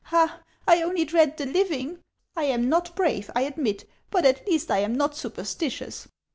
Ah, I only dread the living ! I am not brave, I admit ; but at least I am not supersti tious.